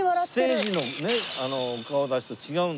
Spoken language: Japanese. ステージのねお顔立ちと違うんだよね。